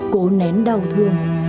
cố nén đau thương